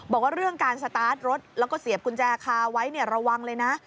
บอกว่าเรื่องการสตาร์ทรถแล้วก็เสียบกุญแจคาไว้ระวังเลยนะ